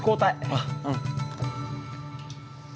あっうん。